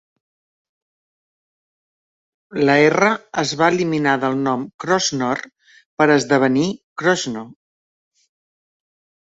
La "r" es va eliminar del nom Crossnore per esdevenir Crossnoe.